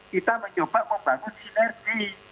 kita mencoba membangun sinergi